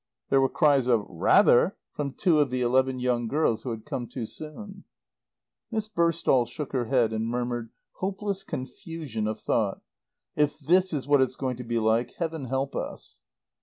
There were cries of "Rather!" from two of the eleven young girls who had come too soon. Miss Burstall shook her head and murmured, "Hopeless confusion of thought. If this is what it's going to be like, Heaven help us!"